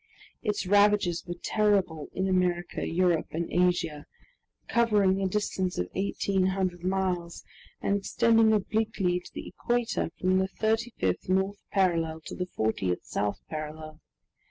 Its ravages were terrible in America, Europe, and Asia, covering a distance of eighteen hundred miles, and extending obliquely to the equator from the thirty fifth north parallel to the fortieth south parallel.